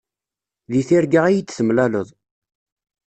Di tirga ad yi-d-temlaleḍ.